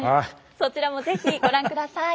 そちらも是非ご覧ください。